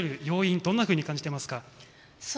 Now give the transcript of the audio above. どんなふうに感じていますか？